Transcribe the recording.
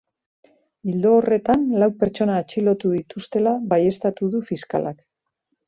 Ildo horretan, lau pertsona atxilotu dituztela baieztatu du fiskalak.